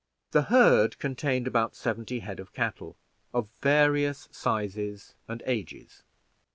The herd contained about seventy head of cattle, of various sizes and ages.